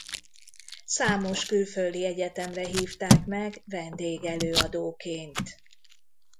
Számos külföldi egyetemre hívták meg vendégelőadóként.